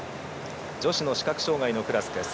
女子の視覚障がいのクラスです。